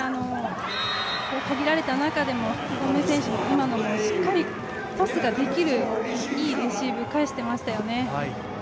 限られた中でも福留選手も今のもしっかりトスができるいいレシーブ返していましたよね。